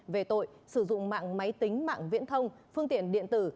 về tội sử dụng mạng máy tính mạng viễn thông phương tiện điện tử